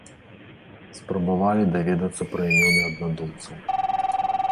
Спрабавалі даведацца пра імёны аднадумцаў.